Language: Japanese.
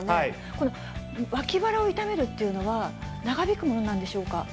この脇腹を痛めるっていうのは長引くものなんでしょうか。